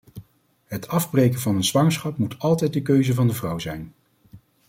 Het afbreken van een zwangerschap moet altijd de keuze van de vrouw zijn.